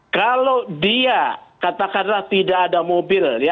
kalau dia katakanlah tidak ada mobil